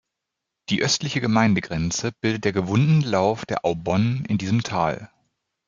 Die östliche Gemeindegrenze bildet der gewundene Lauf der Aubonne in diesem Tal.